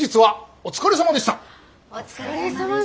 お疲れさまでした！